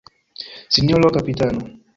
Sinjoro kapitano!